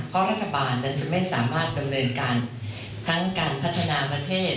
เพราะรัฐบาลจะไม่สามารถดำเนินการทั้งการพัฒนาประเทศ